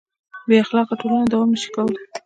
بېاخلاقه ټولنه دوام نهشي کولی.